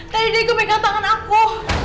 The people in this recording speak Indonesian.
tadi diego pegang tangan aku